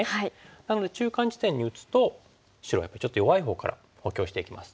なので中間地点に打つと白はやっぱりちょっと弱いほうから補強していきます。